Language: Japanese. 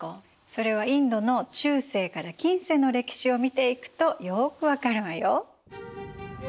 それはインドの中世から近世の歴史を見ていくとよく分かるわよ。